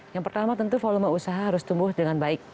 yang pertama tentu volume usaha harus tumbuh dengan baik